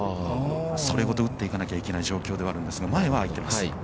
それごと打っていかないといけない状況ではあるんですが、前はあいています。